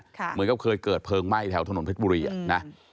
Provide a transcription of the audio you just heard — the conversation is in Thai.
เหมือนกับเคยเกิดเพลิงไหม้แถวถนนเพชรบุรีอ่ะนะ